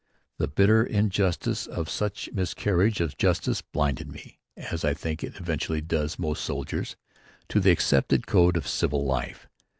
The bitter injustice of such miscarriage of justice blinded me, as I think it eventually does most soldiers, to the accepted code of civil life.